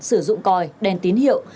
sử dụng còi đèn tín hiệu